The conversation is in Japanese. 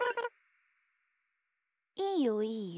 いいよいいよ。